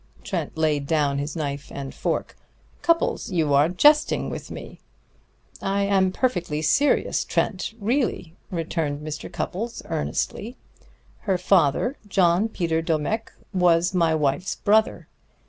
Trent laid down his knife and fork. "Cupples, you are jesting with me." "I am perfectly serious, Trent, really," returned Mr. Cupples earnestly. "Her father, John Peter Domecq, was my wife's brother.